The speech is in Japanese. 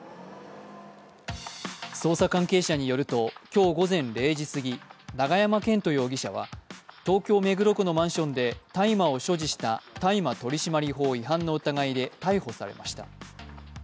捜査関係者によると今日午前０時過ぎ、永山絢斗容疑者は東京・目黒区のマンションで大麻を所持した大麻取締法違反の疑いで逮捕されました。